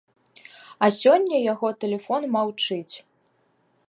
А сёння яго тэлефон маўчыць.